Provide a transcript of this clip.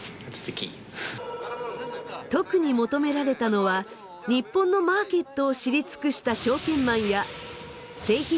特に求められたのは日本のマーケットを知り尽くした証券マンや製品開発の技術者でした。